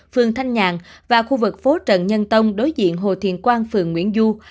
phường thanh nhàn và khu vực phố trần nhân tông đối diện hồ thiện quang phường nguyễn du